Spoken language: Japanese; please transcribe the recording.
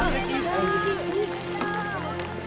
おめでとう！